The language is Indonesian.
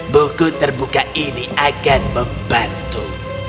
buku terbuka ini akan membantu